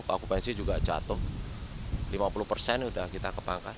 keakupansi juga jatuh lima puluh persen sudah kita kebangkas